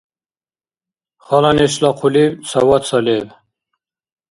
Хала нешла хъулиб ца ваца леб.